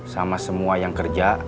sama semua yang kerja